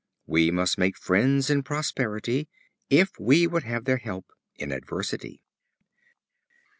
We must make friends in prosperity, if we would have their help in adversity.